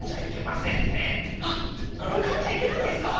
あっこれかんじゃいけないんですか？